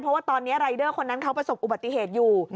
เพราะว่าตอนนี้รายเดอร์คนนั้นเขาประสบอุบัติเหตุอยู่